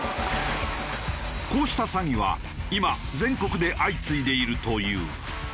こうした詐欺は今全国で相次いでいるという。